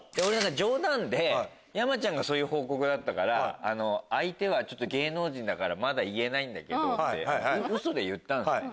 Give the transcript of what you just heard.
冗談で山ちゃんがそういう報告だったから相手は芸能人だから言えないってウソで言ったんですね。